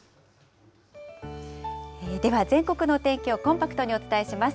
では全国の天気をコンパクトにお伝えします。